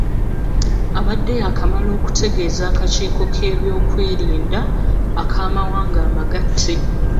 Abadde yaakamala okutegeeza akakiiko k'ebyokwerinda ak'amawanga amagatte.